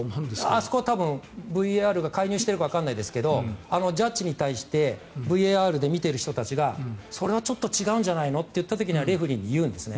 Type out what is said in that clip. あそこは多分ＶＡＲが介入しているかわからないですがあのジャッジに対してＶＡＲで見ている人たちがそれはちょっと違うんじゃないのと思った時はレフェリーに言うんです。